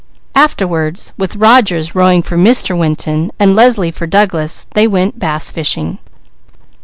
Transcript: Afterward, with Rogers rowing for Mr. Winton, and Leslie for Douglas, they went bass fishing.